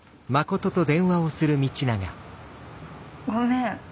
ごめん。